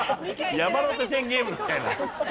山手線ゲームみたいな。